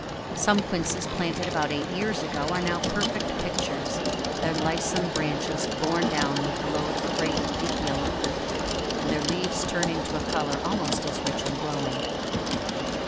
Some Quinces planted about eight years ago are now perfect pictures, their lissome branches borne down with the load of great, deep yellow fruit, and their leaves turning to a colour almost as rich and glowing.